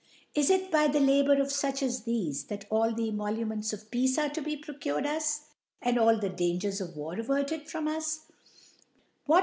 Is it by the Labour, of fuch as thtfe, chat all th<r Emoluments, of Ptacc are to be procured us» and ^ii the D^angers of War averted from US'?